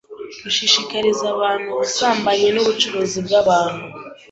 gushishikariza abandi ubusambanyi n’ubucuruzi bw’abantu